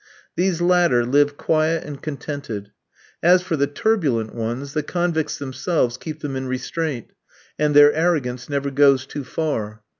These latter live quiet and contented. As for the turbulent ones, the convicts themselves keep them in restraint, and their arrogance never goes too far.